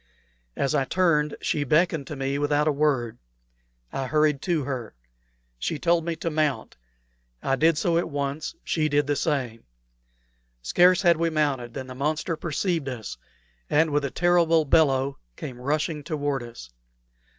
As I turned, she beckoned to me without a word. I hurried to her. She told me to mount. I did so at once; she did the same. Scarce had we mounted than the monster perceived us, and with a terrible bellow came rushing toward us.